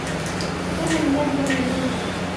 كان منّاد يعمل ليلا.